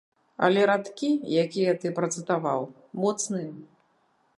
Але радкі, якія ты працытаваў, моцныя.